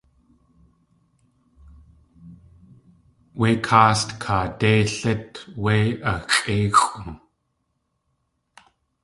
Wé káast kaadéi lít wé a xʼéixʼu!